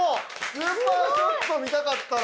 スーパーショット見たかったな。